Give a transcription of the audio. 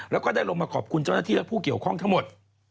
แล้วก็ได้ลงมาขอบคุณเจ้าหน้าที่และผู้เกี่ยวข้องทั้งหมด